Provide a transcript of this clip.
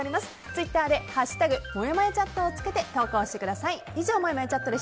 ツイッターで「＃もやもやチャット」をつけて投稿してください。